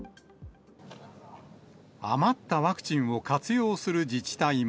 余ったワクチンを活用する自治体も。